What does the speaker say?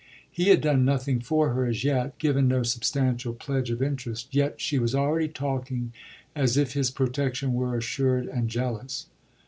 He had done nothing for her as yet, given no substantial pledge of interest; yet she was already talking as if his protection were assured and jealous.